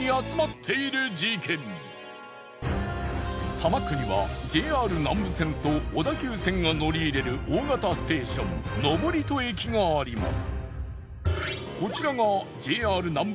多摩区にはＪＲ南武線と小田急線が乗り入れる大型ステーション登戸駅があります。